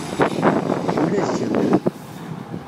Ula d kemm.